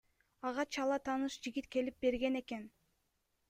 Ага чала тааныш жигит келип берген экен.